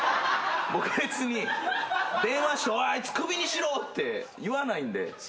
僕別に電話して「おいあいつ首にしろ！」って言わないんで。